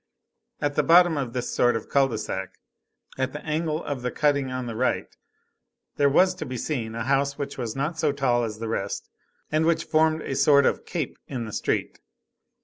At the bottom of this sort of cul de sac, at the angle of the cutting on the right, there was to be seen a house which was not so tall as the rest, and which formed a sort of cape in the street.